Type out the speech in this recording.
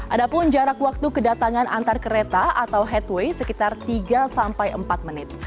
ada pun jarak waktu kedatangan antar kereta atau headway sekitar tiga sampai empat menit